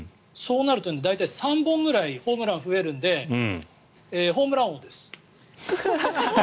そうなると大体３本くらいホームラン増えるのでホームラン王です。